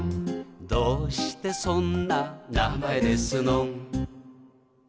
「どうしてそんな名前ですのん」